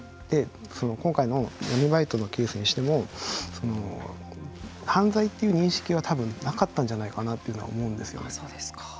今回の闇バイトのケースにしても犯罪という認識は多分なかったんじゃないかなと思うんですよね。